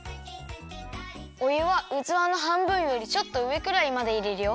おゆはうつわのはんぶんよりちょっとうえくらいまでいれるよ。